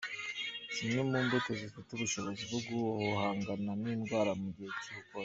Zimwe mu mbuto zifite ubushobozi bwo guhangana n’indwara mu gihe cy’ubukonje